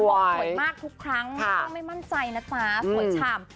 สวยมากทุกครั้งไม่ต้องไม่มั่นใจนะจ๊ะสวยฉ่ำ